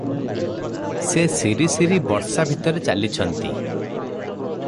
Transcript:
ସେ ସିରିସିରି ବର୍ଷାଭିତରେ ଚାଲିଛନ୍ତି ।